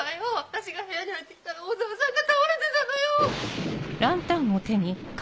私が部屋に入って来たら小沢さんが倒れてたのよ！